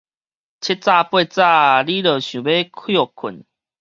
七早八早，你就想欲歇睏？